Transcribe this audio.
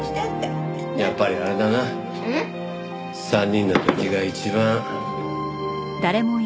３人の時が一番。